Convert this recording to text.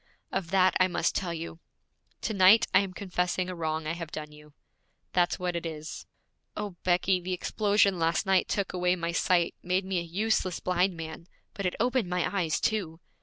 Of that I must tell you. To night I am confessing a wrong I have done you. That's what it is. O, Becky, the explosion last night took away my sight, made me a useless blind man, but it opened my eyes too!